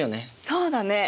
そうだね！